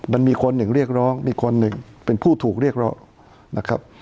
มันมีคนหนึ่งเรียกร้องอีกคนหนึ่งเป็นผู้ถูกเรียกร้องนะครับ